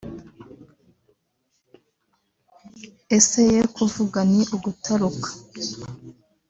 Ese ye kuvuga ni ugutaruka